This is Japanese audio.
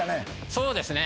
そうですね。